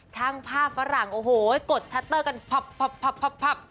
ช่างภาพฝรั่งโอ้โหกดชัตเตอร์กันพับ